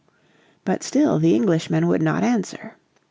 But still the Englishmen would not answer.